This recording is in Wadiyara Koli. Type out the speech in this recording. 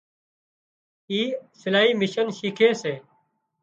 اِي سلائي مِشين شيکي سي